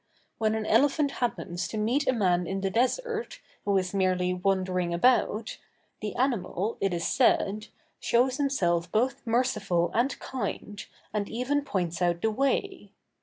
When an elephant happens to meet a man in the desert, who is merely wandering about, the animal, it is said, shows himself both merciful and kind, and even points out the way.